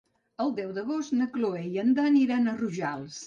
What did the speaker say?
El deu d'agost na Cloè i en Dan iran a Rojals.